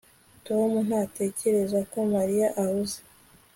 Tom ntatekereza ko Mariya ahuze